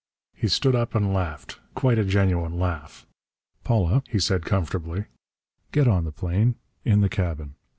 He stood up and laughed. Quite a genuine laugh. "Paula," he said comfortably, "get on the plane. In the cabin.